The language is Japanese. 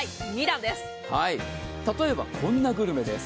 例えば、こんなグルメです。